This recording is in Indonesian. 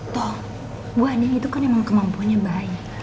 tuh bu andin itu kan emang kemampuannya baik